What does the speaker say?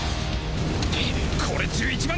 これ１１万